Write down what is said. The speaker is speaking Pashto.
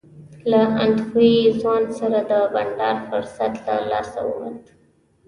له اندخویي ځوان سره د بنډار فرصت له لاسه ووت.